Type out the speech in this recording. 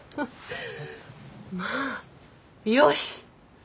まあよし！